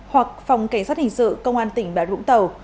hoặc phòng cảnh sát hình sự công an tỉnh bà rịa vũng tàu